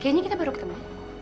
kayaknya kita baru ketemu